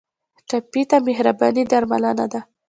ټپي ته مهرباني درملنه ده.